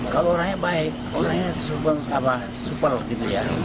kalau orangnya baik orangnya super gitu ya